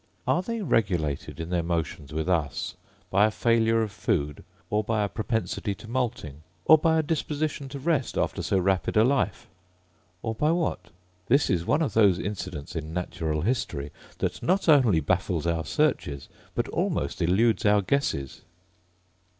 Are they regulated in their motions with us by a failure of food, or by a propensity to moulting, or by a disposition to rest after so rapid a life, or by what? This is one of those incidents in natural history that not only baffles our searches, but almost eludes our guesses!